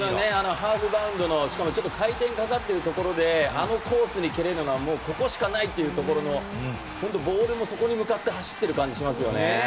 ハーフバウンドのしかも回転がかかってるところであのコースに蹴れるのはここしかないというところのボールもそこに向かって走っている感じがしますよね。